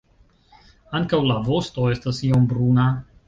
Ankaŭ la vosto estas iom bruna.